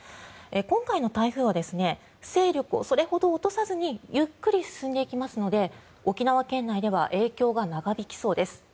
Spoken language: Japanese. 今回の台風は勢力をそれほど落とさずにゆっくりと進んでいきますので沖縄県内では影響が長引きそうです。